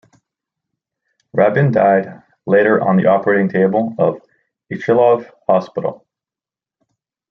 Rabin died later on the operating table of Ichilov Hospital.